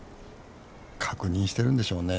確認してるんでしょうね